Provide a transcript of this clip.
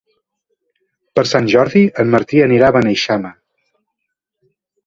Per Sant Jordi en Martí anirà a Beneixama.